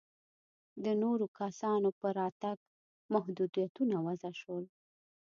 د نورو کسانو پر راتګ محدودیتونه وضع شول.